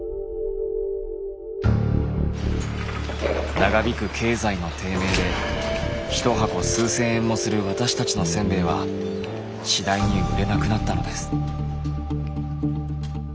長引く経済の低迷で一箱数千円もする私たちのせんべいは次第に売れなくなったのです。